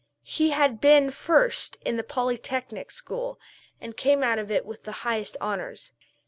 He had been first in the polytechnic school, and came out of it with the highest honors.